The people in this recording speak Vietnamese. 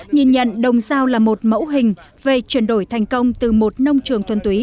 nhìn nhận đồng giao là một mẫu hình về chuyển đổi thành công từ một nông trường tuân túy